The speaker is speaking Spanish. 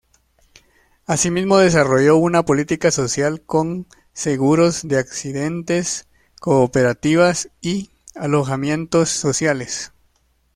Asimismo desarrolló una política social con seguros de accidentes, cooperativas y alojamientos sociales.